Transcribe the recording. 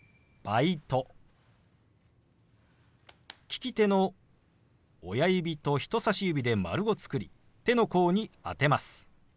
利き手の親指と人さし指で丸を作り手の甲に当てます。